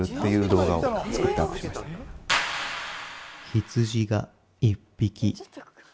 羊が１匹。